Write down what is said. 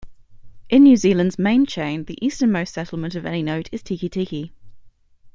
In New Zealand's main chain, the easternmost settlement of any note is Tikitiki.